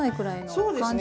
そうですね